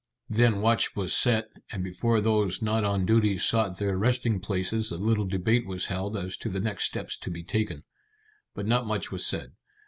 Then watch was set, and before those not on duty sought their resting places a little debate was held as to the next steps to be taken. But not much was said.